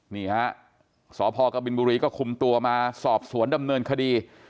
นี่ฮะสพกบินบุรีก็คุมตัวมาสอบสวนดำเนินคดี